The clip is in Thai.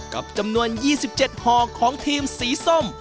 กับจำนวน๒๗ห่อของทีมสีส้ม